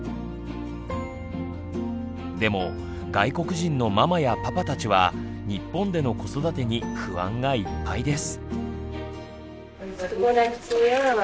でも外国人のママやパパたちは日本での子育てに不安がいっぱいです。